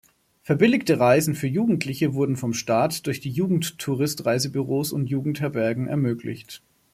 Verbilligte Reisen für Jugendliche wurden vom Staat durch die Jugendtourist-Reisebüros und Jugendherbergen ermöglicht.